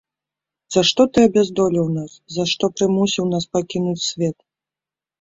За што ты абяздоліў нас, за што прымусіў нас пакінуць свет?